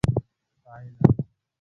پايله